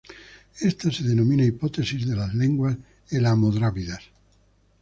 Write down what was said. Esta se denomina hipótesis de las lenguas elamo-drávidas.